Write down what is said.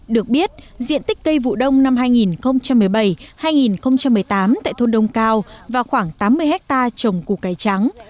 được biết diện tích cây vụ đông năm hai nghìn một mươi bảy hai nghìn một mươi tám tại thôn đông cao và khoảng tám mươi hectare trồng củ cải trắng